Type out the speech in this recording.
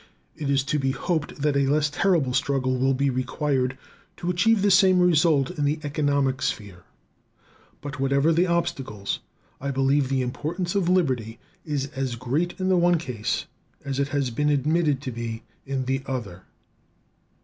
It is to be hoped that a less terrible struggle will be required to achieve the same result in the economic sphere. But whatever the obstacles, I believe the importance of liberty is as great in the one case as it has been admitted to be in the other.